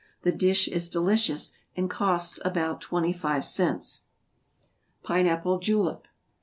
The dish is delicious, and costs about twenty five cents. =Pine Apple Julep.